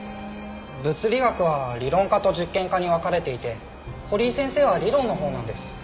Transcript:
物理学は理論家と実験家に分かれていて堀井先生は理論のほうなんです。